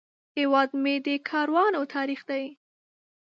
هیواد مې د کاروانو تاریخ دی